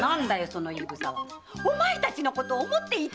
その言いぐさはお前たちのことを思って。